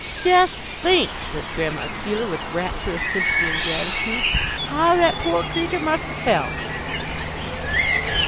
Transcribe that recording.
'" "Just think!" said Grandma Keeler, with rapturous sympathy and gratitude, "how that poor creetur must a' felt!"